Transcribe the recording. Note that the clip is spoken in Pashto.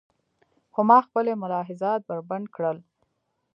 خو ما خپلې ملاحظات بربنډ کړل.